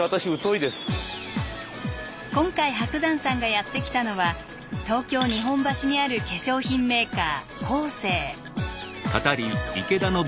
今回伯山さんがやって来たのは東京・日本橋にある化粧品メーカーコーセー。